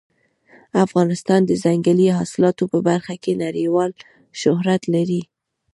افغانستان د ځنګلي حاصلاتو په برخه کې نړیوال شهرت لري.